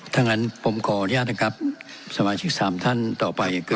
ถ้างั้นผมขออนุญาตนะครับสมาชิกสามท่านต่อไป